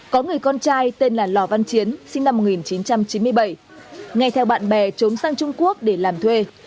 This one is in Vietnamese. có người con trai tên là lò văn chiến sinh năm một nghìn chín trăm chín mươi bảy ngay theo bạn bè trốn sang trung quốc để làm thuê